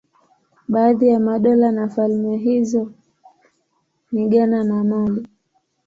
Baadhi ya madola na falme hizo ni Ghana na Mali.